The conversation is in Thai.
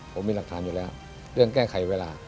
ผมมีหลักฐานอยู่แล้วเรื่องแก้ไขเวลา